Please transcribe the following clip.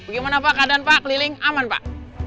gimana pak keadaan pak keliling aman pak